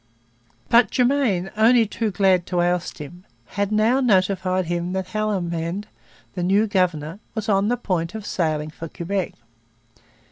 But Germain, only too glad to oust him, had now notified him that Haldimand, the new governor, was on the point of sailing for Quebec.